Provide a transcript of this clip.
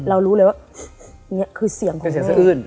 เรารู้เลยว่าคือเสียงของแม่